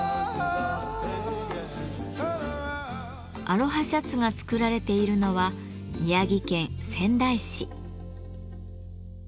アロハシャツが作られているのは宮城県仙台市。